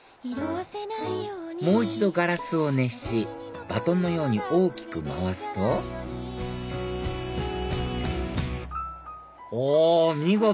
もう一度ガラスを熱しバトンのように大きく回すとお見事！